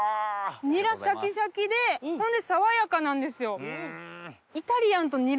ニラシャキシャキでほんで爽やかなんですよ。